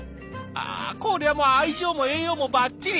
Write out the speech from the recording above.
あこりゃもう愛情も栄養もばっちり！